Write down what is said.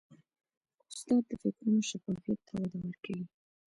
استاد د فکرونو شفافیت ته وده ورکوي.